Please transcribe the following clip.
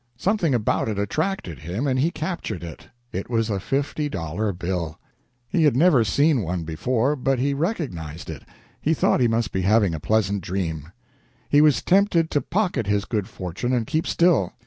Something about it attracted him and he captured it. It was a fifty dollar bill! He had never seen one before, but he recognized it. He thought he must be having a pleasant dream. He was tempted to pocket his good fortune and keep still.